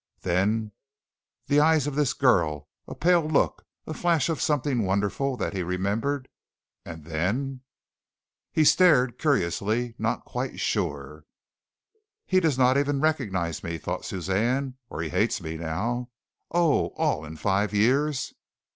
Then the eyes of this girl, a pale look a flash of something wonderful that he remembered and then He stared curiously not quite sure. "He does not even recognize me," thought Suzanne, "or he hates me now. Oh! all in five years!"